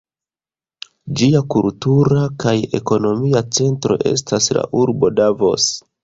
Ĝia kultura kaj ekonomia centro estas la urbo Davos.